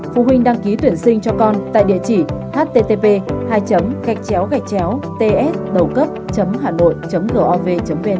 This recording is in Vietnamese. phụ huynh đăng ký tuyển sinh cho con tại địa chỉ http hai gạchchéo ts hanoi